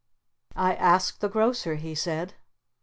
"I asked the Grocer," he said.